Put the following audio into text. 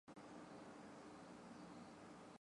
这是为开展文革准备的组织措施。